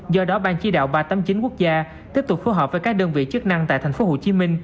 do đó ban chỉ đạo ba trăm tám mươi chín quốc gia tiếp tục phối hợp với các đơn vị chức năng tại tp hcm